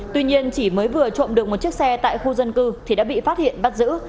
tuy nhiên chỉ mới vừa trộm được một chiếc xe tại khu dân cư thì đã bị phát hiện bắt giữ